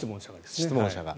質問者が。